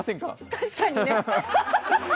確かにね。